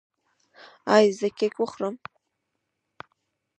ایا زه کیک وخورم؟